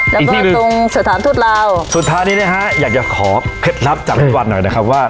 แล้วก็ตรงสถานทูตลาวสุดท้ายนี้นะฮะอยากจะขอเคล็ดลับจากพี่วันหน่อยนะครับว่า